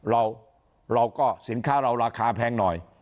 เราก็สินค้าเราราคาแพงหน่อย